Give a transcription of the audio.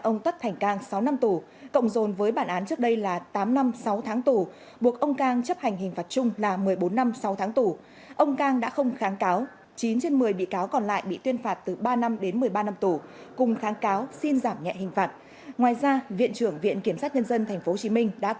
ông tất thành cang thời điểm xảy ra vụ án là phó bi thư thường trực thành ủy tp hcm đã có bút phê đồng ý cho công ty tân thuận chuyển nhượng dự án